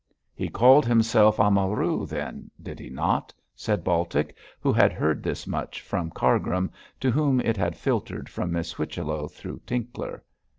'He called himself Amaru then, did he not?' said Baltic, who had heard this much from Cargrim, to whom it had filtered from Miss Whichello through Tinkler.